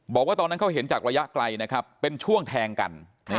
บอกว่าตอนนั้นเขาเห็นจากระยะไกลนะครับเป็นช่วงแทงกัน